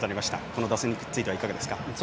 この打線についてはいかがですか。